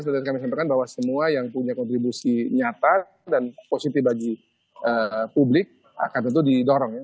sudah kami sampaikan bahwa semua yang punya kontribusi nyata dan positif bagi publik akan tentu didorong ya